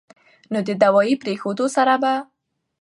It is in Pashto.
نو د دوائي پرېښودو سره به